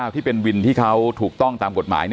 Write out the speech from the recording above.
ที่เป็นวินที่เขาถูกต้องตามกฎหมาย